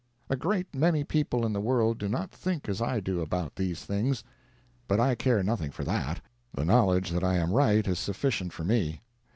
A great many people in the world do not think as I do about these things. But I care nothing for that. The knowledge that I am right is sufficient for me.